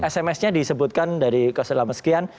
sms nya disebutkan dari kostilal meskian